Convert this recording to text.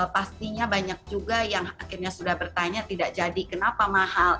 pastinya banyak juga yang akhirnya sudah bertanya tidak jadi kenapa mahal